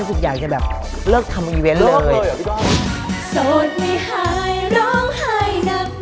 แล้วทุกอย่างจะแบบเลิกทำอีเวนต์เลย